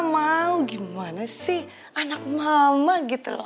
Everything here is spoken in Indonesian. mau gimana sih anak mama gitu loh